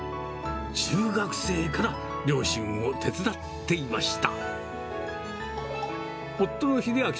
中学生から両親を手伝っていました。